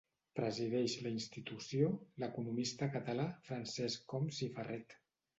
Presideix la Institució l'economista català Francesc Homs i Ferret.